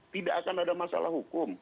tidak akan ada masalah hukum